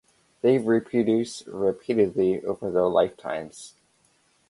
They reproduce repeatedly over their lifetimes.